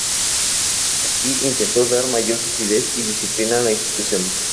Allí intento dar mayor rigidez y disciplina a la institución.